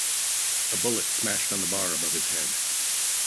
A bullet smashed on the bar above his head.